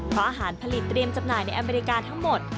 เพราะอาหารผลิตเตรียมจำหน่ายในอเมริกาทั้งหมด